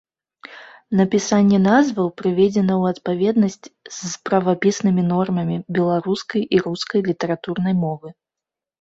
Напісанне назваў прыведзена ў адпаведнасць з правапіснымі нормамі беларускай і рускай літаратурнай мовы.